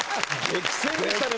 激戦でしたね